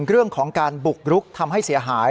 เรื่องของการบุกรุกทำให้เสียหาย